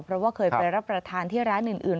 เพราะว่าเคยไปรับประทานที่ร้านอื่น